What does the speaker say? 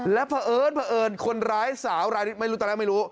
แล้วเผอิญเผอิญคนร้ายสาวรายนี้ไม่รู้ตอนแรกไม่รู้